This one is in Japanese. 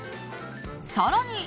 更に。